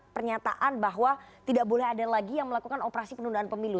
pernyataan bahwa tidak boleh ada lagi yang melakukan operasi penundaan pemilu